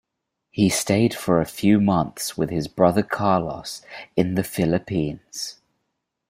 He stayed for a few months with his brother Carlos in the Philippines.